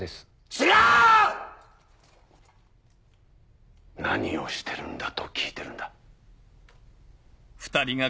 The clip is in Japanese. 違う‼何をしてるんだと聞いてるんだ。